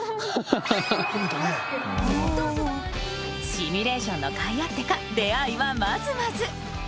［シミュレーションのかいあってか出会いはまずまず］